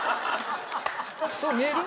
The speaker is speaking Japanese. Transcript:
そう見える？